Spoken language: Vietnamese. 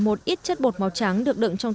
một ít chất bột màu trắng được đựng trong